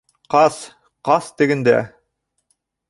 Ҡас, ҡас тегендә!